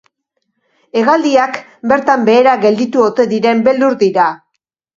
Hegaldiak bertan behera geldituko ote diren beldur dira.